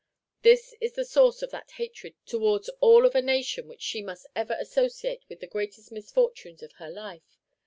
This is the source of that hatred towards all of a nation which she must ever associate with the greatest misfortunes of her life!